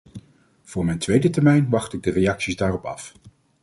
Voor mijn tweede termijn wacht ik de reacties daarop af.